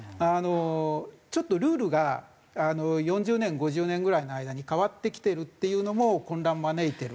ちょっとルールが４０年５０年ぐらいの間に変わってきてるっていうのも混乱招いてる。